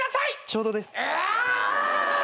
ちょうどです。うお！